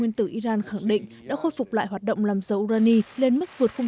của nguyên tử iran khẳng định đã khôi phục lại hoạt động làm giàu urani lên mức vượt khung